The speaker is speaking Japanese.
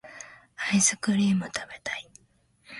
アイスクリームたべたい